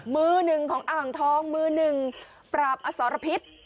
มือหนึ่งของอ่างทองมือหนึ่งปราบอสรพิษ